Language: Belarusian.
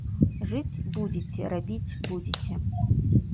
Жыць будзеце, рабіць будзеце.